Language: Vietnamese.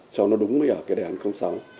cho nó đúng với đề án sáu